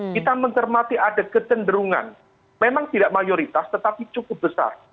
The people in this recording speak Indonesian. kita mencermati ada kecenderungan memang tidak mayoritas tetapi cukup besar